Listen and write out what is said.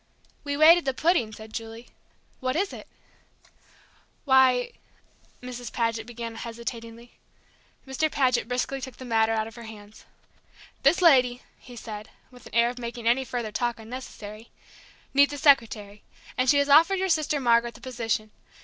"We waited the pudding," said Julie. "What is it?" "Why " Mrs. Paget began, hesitatingly. Mr. Paget briskly took the matter out of her hands. "This lady," he said, with an air of making any further talk unnecessary, "needs a secretary, and she has offered your sister Margaret the position.